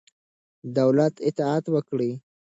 د دولت اطاعت وکړئ.